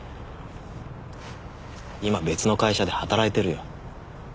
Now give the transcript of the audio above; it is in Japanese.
今別の会社で働いてるよ。